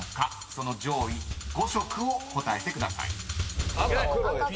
［その上位５色を答えてください］